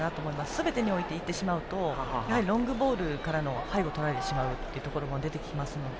すべてにおいていってしまうとロングボールからの背後をとられてしまうシーンも出てきますので。